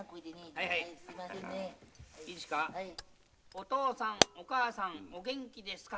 「お父さんお母さん」「お元気ですか？」